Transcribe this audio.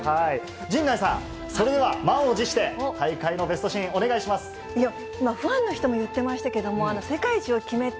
陣内さん、それでは、満を持して、大会のベストシーン、お願いしまファンの人も言ってましたけど、世界一を決めた、